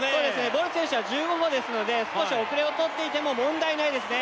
ボル選手は１５歩ですので少し後れを取っていても問題ないですね